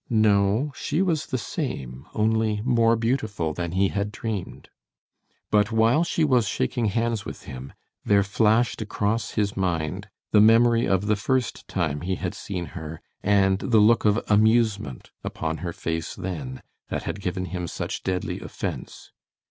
No, she was the same, only more beautiful than he had dreamed. But while she was shaking hands with him, there flashed across his mind the memory of the first time he had seen her, and the look of amusement upon her face then, that had given him such deadly offense.